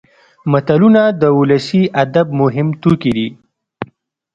متلونه د ولسي ادب مهم توکي دي